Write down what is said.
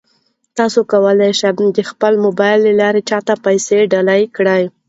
تاسو کولای شئ د خپل موبایل له لارې چا ته پیسې ډالۍ کړئ.